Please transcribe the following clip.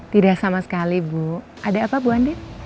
tidak sama sekali bu ada apa bu andi